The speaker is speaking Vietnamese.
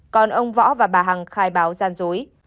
còn ông võ và bà hằng khai báo gian dối